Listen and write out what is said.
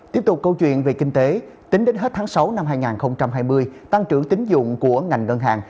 tiếp tục câu chuyện về kinh tế tính đến hết tháng sáu năm hai nghìn hai mươi tăng trưởng tính dụng của ngành ngân hàng